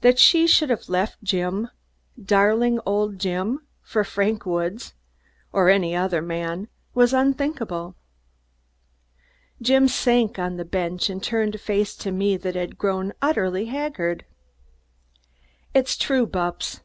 That she should have left Jim, darling old Jim, for Frank Woods, or any other man, was unthinkable. Jim sank on a bench and turned a face to me that had grown utterly haggard. "It's true, Bupps!